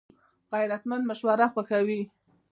غیرتمند مشوره خوښوي